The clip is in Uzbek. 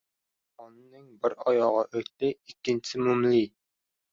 • Yolg‘onning bir oyog‘i o‘tli, ikkinchisi ― mumli.